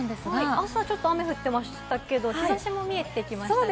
朝は雨降ってましたけれども日差しも見えてきましたね。